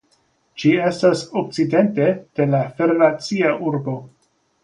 Ĝi estas okcidente de la federacia urbo.